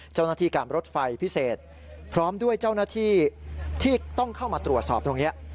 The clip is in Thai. เจ้าหน้าที่การรถไฟพิเศษพร้อมด้วยเจ้าหน้าที่ที่ต้องเข้ามาตรวจสอบตรงนี้